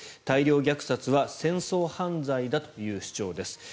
大量虐殺は戦争犯罪だという主張です。